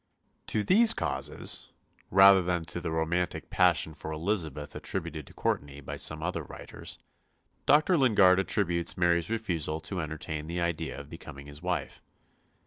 To these causes, rather than to the romantic passion for Elizabeth attributed to Courtenay by some other writers, Dr. Lingard attributes Mary's refusal to entertain the idea of becoming his wife.